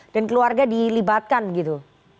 dan keluarga dilibatkan gitu